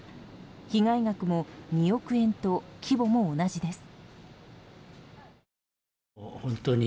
被害額も２億円と規模も同じです。